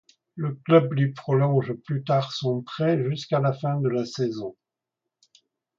Le club lui prolonge plus tard son prêt jusqu'à la fin de la saison.